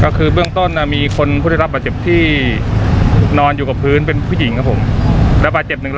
ข้อคที่วิ่งต้นมีคนผู้ที่รับแบบเจ็บที่นอนอยู่ประภืนเป็นผู้หญิงครับผม